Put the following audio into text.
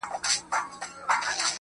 پآس په هوا کښى غوښى غوښى ٸى وجود الوځى